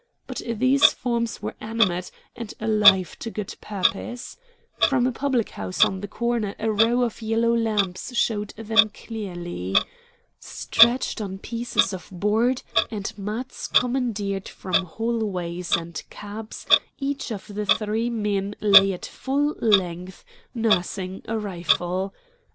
But these forms were animate, and alive to good purpose. From a public house on the corner a row of yellow lamps showed them clearly. Stretched on pieces of board, and mats commandeered from hallways and cabs, each of the three men lay at full length, nursing a rifle.